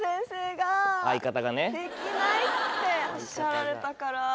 相方がね。っておっしゃられたから。